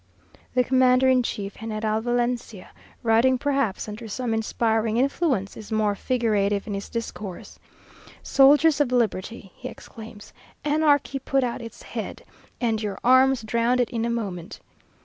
The commander in chief, General Valencia, writing perhaps under some inspiring influence, is more figurative in his discourse. "Soldiers of Liberty!" he exclaims; "Anarchy put out its head, and your arms drowned it in a moment."